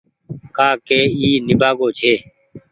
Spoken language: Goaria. ڪآ ڪي اي نيبآگو ڇي